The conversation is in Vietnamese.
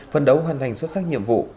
phần đấu hoàn thành xuất sắc nhiệm vụ